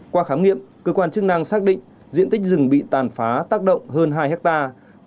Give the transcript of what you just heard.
qua khám nghiệm cơ quan chức năng xác định diện tích rừng bị tàn phá tác động hơn hai hectare